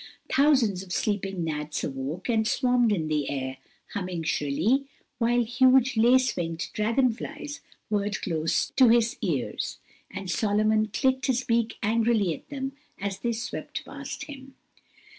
Thousands of sleeping gnats awoke and swarmed in the air, humming shrilly, while huge, lace winged dragon flies whirred close to his ears, and Solomon clicked his beak angrily at them as they swept past him.